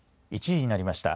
１時になりました。